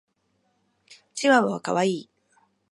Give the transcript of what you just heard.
チワワは可愛い。